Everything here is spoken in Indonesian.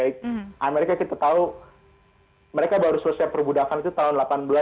jadi amerika kita tahu mereka baru selesai perbudakan itu tahun seribu delapan ratus enam puluh lima